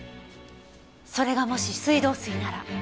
それがもし水道水なら。